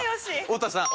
太田さん。